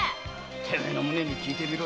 てめえの胸に聞いてみろ！